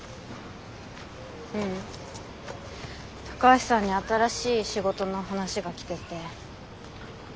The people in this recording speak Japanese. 高橋さんに新しい仕事の話が来てて。